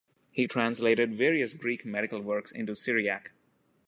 He translated various Greek medical works into Syriac.